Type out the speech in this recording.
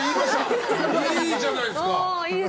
いいじゃないですか。